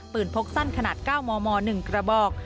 พกสั้นขนาด๙มม๑กระบอก